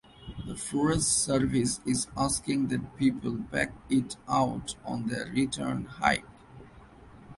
The forest service is asking that people pack it out on their return hike.